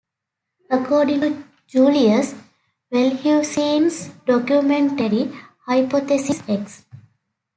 According to Julius Wellhausen's documentary hypothesis, Ex.